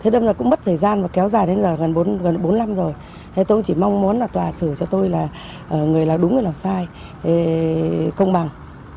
dài đến giờ gần bốn năm rồi tôi chỉ mong muốn tòa xử cho tôi là người là đúng người là sai công bằng